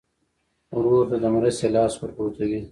ورور ته د مرستې لاس ور اوږدوې.